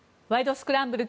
スクランブル」